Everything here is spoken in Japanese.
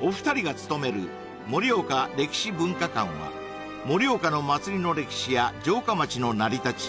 お二人が勤めるもりおか歴史文化館は盛岡の祭りの歴史や城下町の成り立ち